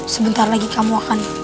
sebentar lagi kamu akan